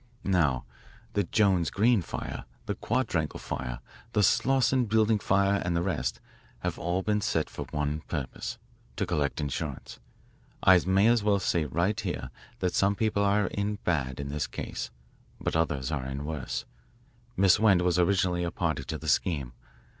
"Now, the Jones Green fire, the Quadrangle fire, the Slawson Building fire, and the rest, have all been set for one purpose to collect insurance. I may as well say right here that some people are in bad in this case, but that others are in worse. Miss Wend was originally a party to the scheme.